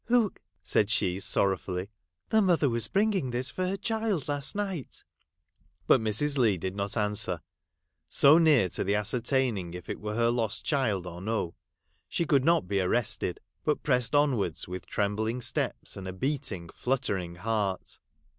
' Look !' said she, sorrowfully, ' the mother was bringing this for her child last night.' But Mrs. Leigh did not answer. So near to the ascertaining if it were her lost child or no, she could not be arrested, but pressed onwards with trembling steps and a beating, fluttering heart.